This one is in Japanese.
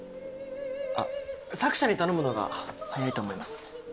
あっ作者に頼むのが早いと思います。